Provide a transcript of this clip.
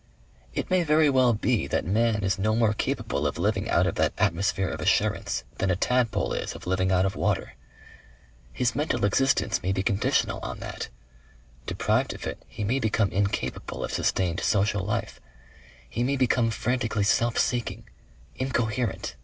"It may very well be that man is no more capable of living out of that atmosphere of assurance than a tadpole is of living out of water. His mental existence may be conditional on that. Deprived of it he may become incapable of sustained social life. He may become frantically self seeking incoherent...